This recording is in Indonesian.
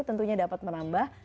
tentunya dapat menambah